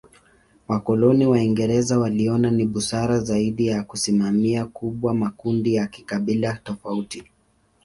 Wakoloni Waingereza waliona ni busara zaidi ya kusimamia kubwa makundi ya kikabila tofauti.